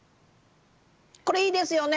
これいいですよね。